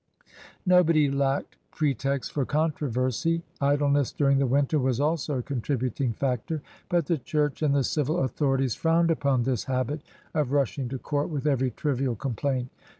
Nobody lacked pre texts for controversy. Idleness during the winter was also a contributing factor. But the Church and the civil authorities frowned upon this habit of rushing to court with every trivial complaint.